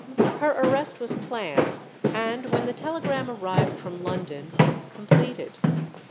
Her arrest was planned, and, when the telegram arrived from London, completed.